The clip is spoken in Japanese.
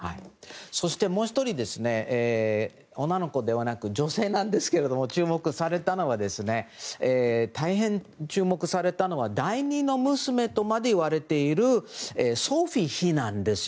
そして、もう１人女の子ではなく女性なんですけれども大変、注目されたのは第２の娘とまで言われているソフィー妃なんです。